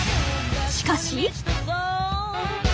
しかし！？